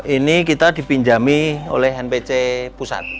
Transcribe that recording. ini kita dipinjami oleh npc pusat